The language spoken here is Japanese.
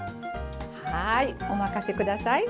はいお任せください。